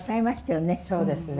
そうですね。